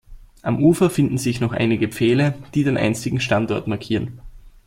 Am Ufer finden sich noch einige Pfähle, die den einstigen Standort markieren.